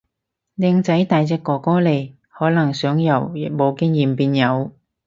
靚仔大隻哥哥嚟，可能想由冇經驗變有